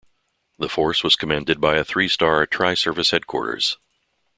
The force was commanded by a three-star tri-service headquarters.